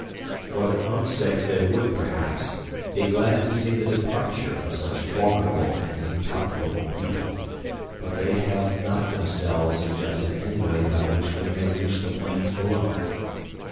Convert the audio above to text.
For their own sakes they would, perhaps, be glad to see the departure of such formidable and incalculable people, but they have not themselves suggested any way by which we may reach the plains below.